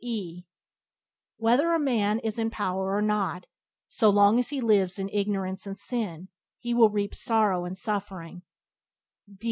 E Whether a man is in power or not, so long as he lives in ignorance and sin, he will reap sorrow and suffering.